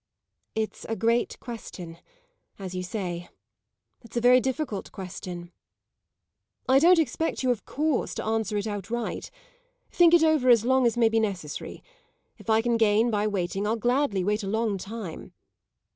"It's a great question, as you say. It's a very difficult question." "I don't expect you of course to answer it outright. Think it over as long as may be necessary. If I can gain by waiting I'll gladly wait a long time.